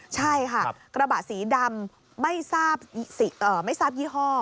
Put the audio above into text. ใช่ค่ะกระบะสีดำไม่ทราบยี่ห้อ